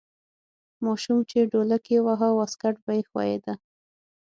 ماشوم چې ډولک یې واهه واسکټ به یې ښویده.